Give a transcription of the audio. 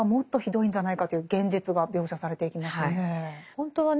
本当はね